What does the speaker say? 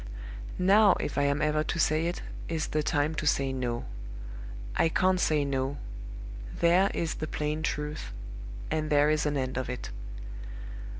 Now, if I am ever to say it, is the time to say No. I can't say No. There is the plain truth and there is an end of it!